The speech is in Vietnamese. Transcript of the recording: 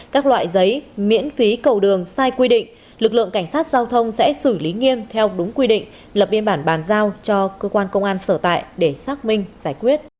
các loại giấy miễn phí cầu đường sai quy định lực lượng cảnh sát giao thông sẽ xử lý nghiêm theo đúng quy định lập biên bản bàn giao cho cơ quan công an sở tại để xác minh giải quyết